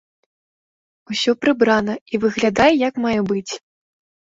Усё прыбрана і выглядае як мае быць.